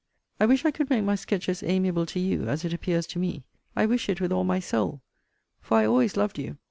I wish I could make my sketch as amiable to you as it appears to me. I wish it with all my soul: for I always loved you.